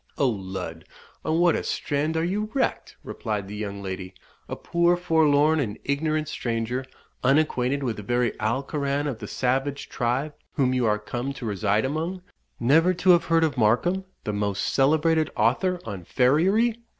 "O lud! on what a strand are you wrecked!" replied the young lady. "A poor forlorn and ignorant stranger, unacquainted with the very Alcoran of the savage tribe whom you are come to reside among Never to have heard of Markham, the most celebrated author on farriery!